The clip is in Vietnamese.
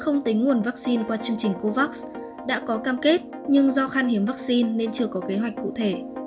không tính nguồn vaccine qua chương trình covax đã có cam kết nhưng do khan hiếm vaccine nên chưa có kế hoạch cụ thể